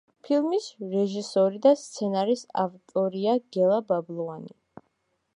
ფილმის რეჟისორი და სცენარის ავტორია გელა ბაბლუანი.